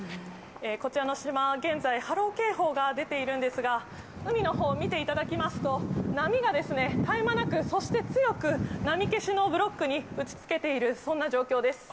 こちらの島、現在、波浪警報が出ているんですが、海のほう見ていただきますと、波が絶え間なく、そして強く、波消しのブロックに打ちつけている、そんな状況です。